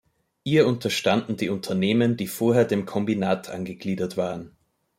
Ihr unterstanden die Unternehmen, die vorher dem Kombinat angegliedert waren.